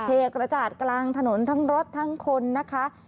กระจาดกลางถนนทั้งรถทั้งคนนะคะ